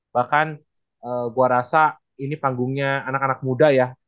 bahkan gue rasa ini panggungnya anak anak muda ya